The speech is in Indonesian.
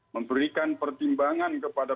memberikan pertimbangan kepada